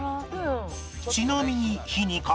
ちなみに